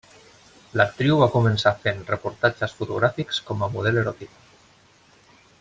L'actriu va començar fent reportatges fotogràfics com a model eròtica.